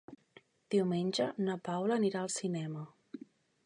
Diumenge na Paula anirà al cinema.